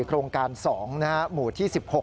โครงการ๒หมู่ที่๑๖